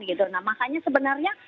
gitu nah makanya sebenarnya